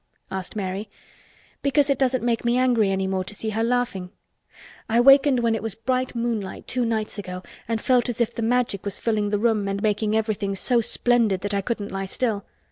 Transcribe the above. asked Mary. "Because it doesn't make me angry any more to see her laughing. I wakened when it was bright moonlight two nights ago and felt as if the Magic was filling the room and making everything so splendid that I couldn't lie still.